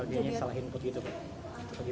jadi kalau dia salah input gitu